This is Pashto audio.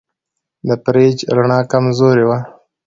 د فریج رڼا کمزورې وه.